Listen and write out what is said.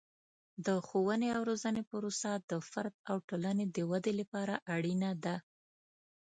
د ښوونې او روزنې پروسه د فرد او ټولنې د ودې لپاره اړینه ده.